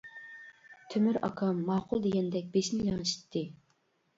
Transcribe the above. تۆمۈر ئاكام «ماقۇل» دېگەندەك بېشىنى لىڭشىتتى.